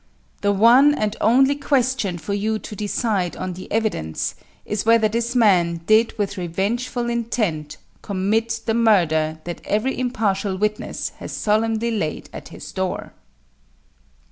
The one and only question for you to decide on the evidence is whether this man did with revengeful intent commit the murder that every impartial witness has solemnly laid at his door.